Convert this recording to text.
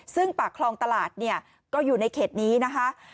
ซึ่งปากคลองตลาดเนี่ยก็อยู่ในเขตนี้นะคะ